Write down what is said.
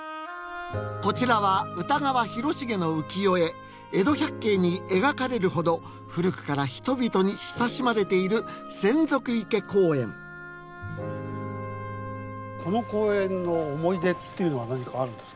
こちらは歌川広重の浮世絵「江戸百景」に描かれるほど古くから人々に親しまれているこの公園の思い出っていうのは何かあるんですか？